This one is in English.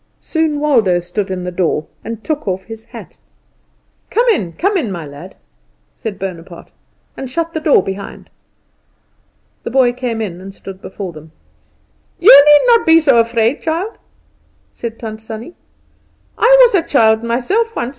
Soon Waldo stood in the door, and took off his hat. "Come in, come in, my lad," said Bonaparte, "and shut the door behind." The boy came in and stood before them. "You need not be so afraid, child," said Tant Sannie. "I was a child myself once.